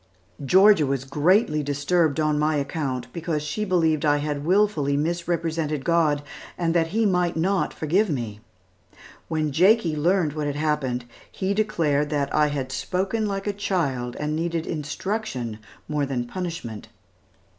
Georgia was greatly disturbed on my account, because she believed I had wilfully misrepresented God, and that He might not forgive me. When Jakie learned what had happened, he declared that I had spoken like a child, and needed instruction more than punishment.